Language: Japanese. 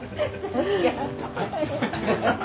ハハハハ。